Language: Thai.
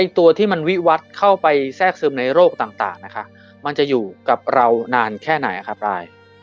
ตัวที่มันวิวัติเข้าไปแทรกซึมในโรคต่างนะคะมันจะอยู่กับเรานานแค่ไหนครับราย